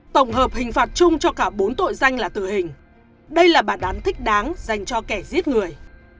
tổng hợp hình phạt chung cho cả bốn tội danh là tử hình đây là bản án thích đáng dành cho kẻ giết người